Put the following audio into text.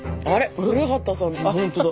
古畑さんだ。